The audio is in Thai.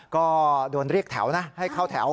ก็โดนเรียกแถวนะให้เข้าแถว